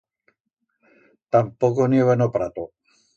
Tampoco n'i heba n'o prato.